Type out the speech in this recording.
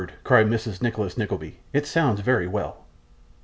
cried Mrs. Nicholas Nickleby, 'it sounds very well.